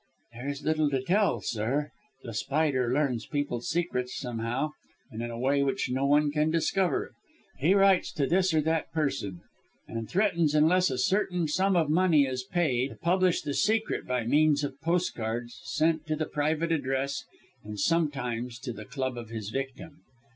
"There is little to tell, sir. The Spider learns people's secrets somehow, and in a way which no one can discover. He then writes to this or that person and threatens unless a certain sum of money is paid to publish the secret by means of postcards sent to the private address and sometimes to the club of his victim.